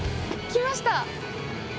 来ました。